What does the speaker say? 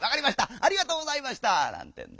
ありがとうございました」なんてんで。